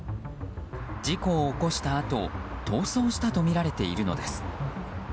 事故を起こしたあと逃走したとみられているのです。